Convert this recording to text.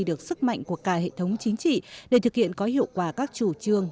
được sức mạnh của cả hệ thống chính trị để thực hiện có hiệu quả các chủ trương